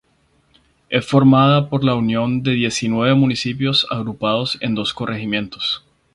Es formada por la unión de diecinueve municipios agrupados en dos microrregiones.